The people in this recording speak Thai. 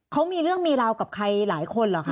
เขามีเรื่องมีราวกับใครหลายคนเหรอคะ